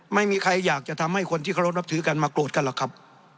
ไม่มีใครอยากจะทำให้คนที่เคารพนับถือกันมาโกรธกันหรอกครับ